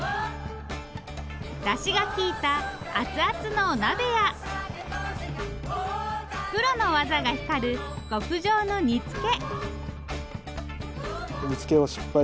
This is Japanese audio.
だしがきいた熱々のお鍋やプロの技が光る極上の煮つけ。